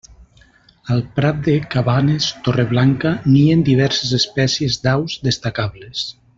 Al Prat de Cabanes-Torreblanca nien diverses espècies d'aus destacables.